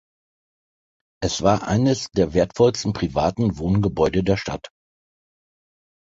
Es war eines der wertvollsten privaten Wohngebäude der Stadt.